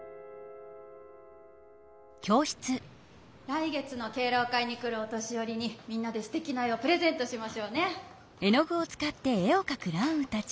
来月の敬老会に来るお年よりにみんなですてきな絵をプレゼントしましょうね。